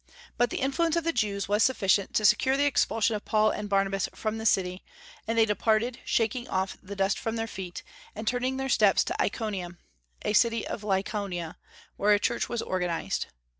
But the influence of the Jews was sufficient to secure the expulsion of Paul and Barnabas from the city; and they departed, shaking off the dust from their feet, and turning their steps to Iconium, a city of Lycaonia, where a church was organized.